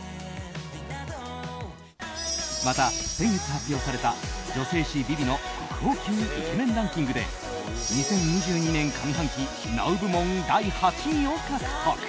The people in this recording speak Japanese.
また、先月発表された女性誌「ＶｉＶｉ」の国宝級イケメンランキングで２０２２年上半期ＮＯＷ部門第８位を獲得。